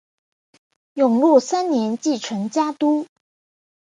永禄三年继承家督。